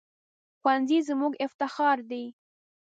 ښوونځی زموږ افتخار دی